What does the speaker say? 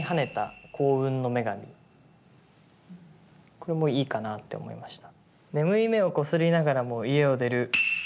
これもいいかなって思いました。